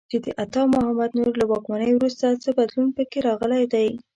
چې د عطا محمد نور له واکمنۍ وروسته څه بدلون په کې راغلی دی.